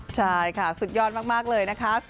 ใช่ค่ะสุดยอดมากเลยนะคะ